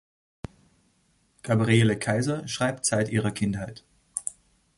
Gabriele Keiser schreibt seit ihrer Kindheit.